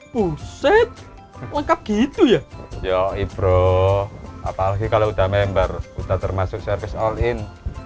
buset lengkap gitu ya yoi bro apalagi kalau udah member kita termasuk service all in